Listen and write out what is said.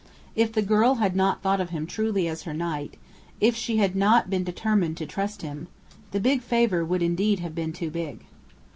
If the girl had not thought of him truly as her knight, if she had not been determined to trust him, the "big favour" would indeed have been too big.